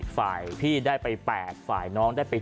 ฝ่ายพี่ได้ไป๘ฝ่ายน้องได้ไป๗